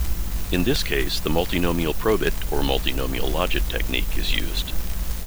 In this case, the multinomial probit or multinomial logit technique is used.